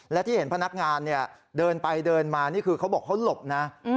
และที่เห็นพนักงานเนี่ยเดินไปเดินมานี่คือเขาบอกเขาหลบนะ